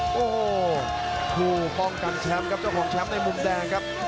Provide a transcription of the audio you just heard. โอ้โหผู้ป้องกันแชมป์ครับเจ้าของแชมป์ในมุมแดงครับ